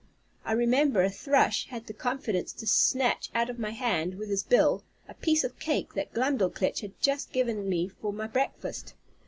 I remember, a thrush had the confidence to snatch out of my hand, with his bill, a piece of cake that Glumdalclitch had just given me for my breakfast.